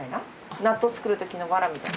納豆作る時のわらみたいな？